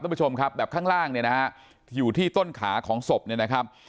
ผู้ชมครับแบบข้างล่างเนี่ยนะฮะอยู่ที่ต้นขาของศพเนี่ยนะครับ